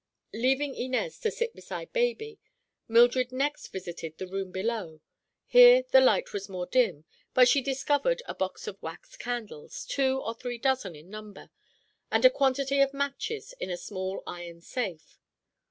Leaving Inez to sit beside baby, Mildred next visited the room below. Here the light was more dim, but she discovered a box of wax candles—two or three dozen in number—and a quantity of matches in a small iron safe.